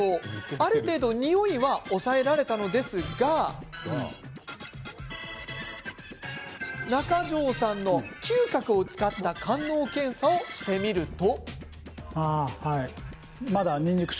ある程度においは抑えられたのですが中城さんの嗅覚を使った官能検査をすると。